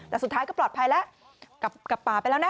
แต่สุดท้ายก็ปลอดภัยแล้วกลับป่าไปแล้วนะ